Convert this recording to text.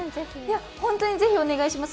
本当にぜひお願いします。